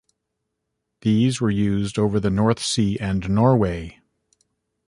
These were used over the North Sea and Norway.